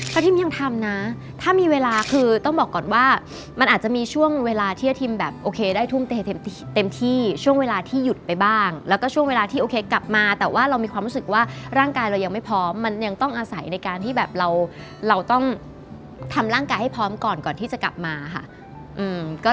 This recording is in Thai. ทิมยังทำนะถ้ามีเวลาคือต้องบอกก่อนว่ามันอาจจะมีช่วงเวลาที่อาทิมแบบโอเคได้ทุ่มเทเต็มที่ช่วงเวลาที่หยุดไปบ้างแล้วก็ช่วงเวลาที่โอเคกลับมาแต่ว่าเรามีความรู้สึกว่าร่างกายเรายังไม่พร้อมมันยังต้องอาศัยในการที่แบบเราต้องทำร่างกายให้พร้อมก่อนก่อนที่จะกลับมาค่ะ